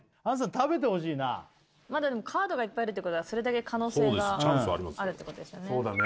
食べてほしいなまだカードがいっぱいあるってことはそれだけ可能性があるってことですよね